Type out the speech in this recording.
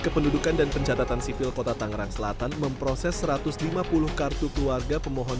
kependudukan dan pencatatan sipil kota tangerang selatan memproses satu ratus lima puluh kartu keluarga pemohon